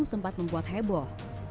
sempat membuat heboh